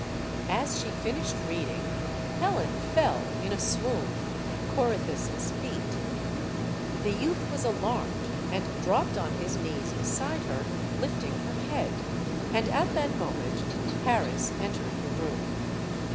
As she finished reading, Helen fell, in a swoon, at Corythus' feet. The youth was alarmed, and dropped on his knees beside her, lifting her head. And at that moment Paris entered the room.